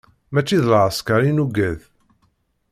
Mačči d lɛesker i nugad.